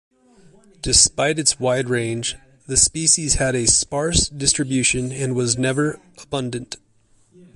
Despite its wide range, the species had a sparse distribution and was never abundant.